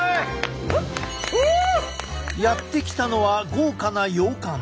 やって来たのは豪華な洋館。